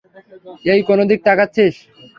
এই কোন দিকে তাকাচ্ছিস?